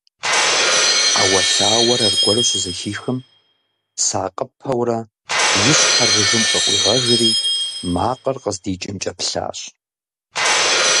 Ӏэуэлъауэр аргуэру щызэхихым, сакъыпэурэ и щхьэр жыгым къыкъуигъэжри макъыр къыздикӏымкӏэ плъащ.